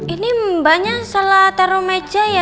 ini mbaknya setelah taruh meja ya